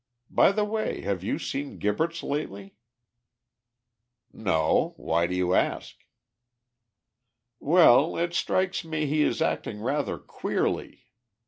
By the way, have you seen Gibberts lately?" "No; why do you ask?" "Well, it strikes me he is acting rather queerly.